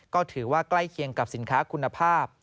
ก็ถือว่าใกล้เคียงกับสินค้าคุณภาพ